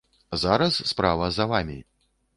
Зараз справа за вамі!